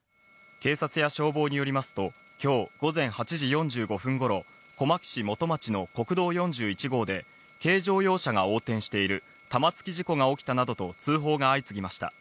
警察や消防によりますと、今日午前８時４５分頃、小牧市元町の国道４１号で、軽乗用車が横転している、玉突き事故が起きたなどと通報が相次ぎました。